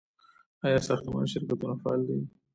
آیا ساختماني شرکتونه فعال دي؟